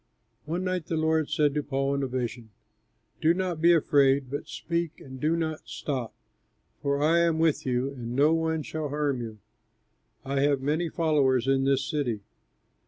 One night the Lord said to Paul in a vision, "Do not be afraid, but speak and do not stop, for I am with you and no one shall harm you; I have many followers in this city."